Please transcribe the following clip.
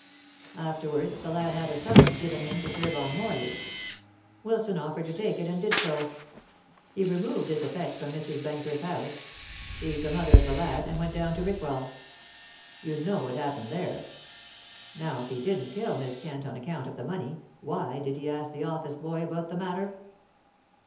Afterwards the lad had a summons given him to serve on Morley. Wilson offered to take it, and did so. He removed his effects from Mrs. Benker's house she's the mother of the lad and went down to Rickwell. You know what happened there. Now if he didn't kill Miss Kent on account of the money, why did he ask the office boy about the matter?"